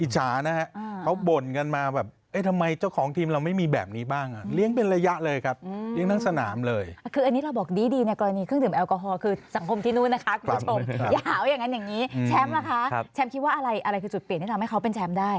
แชมป์ล่ะคะแชมป์คิดว่าอะไรคือจุดเปลี่ยนที่ทำให้เขาเป็นแชมป์ได้